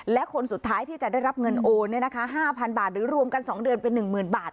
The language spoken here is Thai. และคนสุดท้ายที่จะได้รับเงินโอน๕๐๐๐บาทหรือรวมกัน๒เดือนเป็น๑๐๐๐บาท